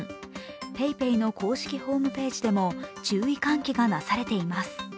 ＰａｙＰａｙの公式ホームページでも注意喚起がなされています。